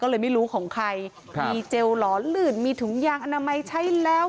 ก็เลยไม่รู้ของใครมีเจลหลอนลื่นมีถุงยางอนามัยใช้แล้ว